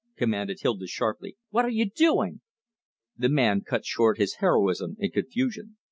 commanded Hilda sharply, "what are you doing?" The man cut short his heroism in confusion.